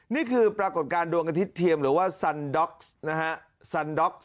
นี่คือปรากฏการณ์ดวงอาทิตย์เทียมหรือว่าซันด็อกซ์นะฮะซันด็อกซ